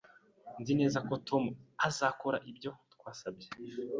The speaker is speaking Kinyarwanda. Nzi neza ko Tom azakora ibyo twasabye